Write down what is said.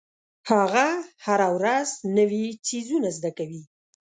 هغه هره ورځ نوې څیزونه زده کوي.